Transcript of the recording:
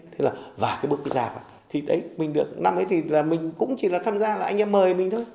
thế là vả cái bước ra thì đấy mình được năm ấy thì là mình cũng chỉ là tham gia là anh em mời mình thôi